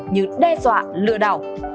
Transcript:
như đe dọa lừa đảo